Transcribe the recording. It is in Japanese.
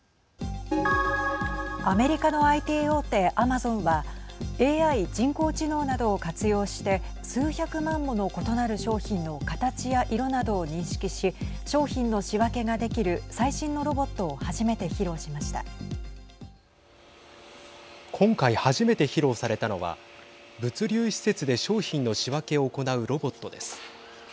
アメリカのＩＴ大手アマゾンはＡＩ＝人工知能などを活用して数百万もの異なる商品の形や色などを認識し商品の仕分けができる最新のロボットを今回、初めて披露されたのは物流施設で商品の仕分けを行うロボットです。